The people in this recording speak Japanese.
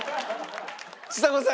ちさ子さん